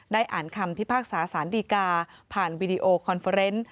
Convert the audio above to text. อ่านคำพิพากษาสารดีกาผ่านวีดีโอคอนเฟอร์เนส